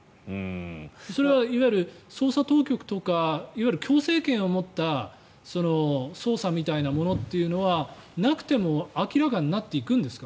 それはいわゆる捜査当局とか強制権を持った捜査みたいなものというのはなくても明らかになっていくんですか？